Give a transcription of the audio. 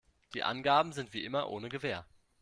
Die Angaben sind wie immer ohne Gewähr.